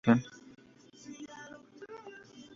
Muchas calles y carreteras pasan sobre o cerca de la estación.